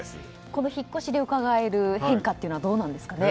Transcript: この引っ越しでうかがえる変化どうなんですかね？